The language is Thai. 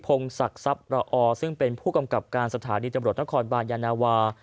งศักดิ์ทรัพย์ระอซึ่งเป็นผู้กำกับการสถานีตำรวจนครบานยานาวา